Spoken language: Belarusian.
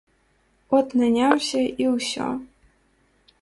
От наняўся і ўсё.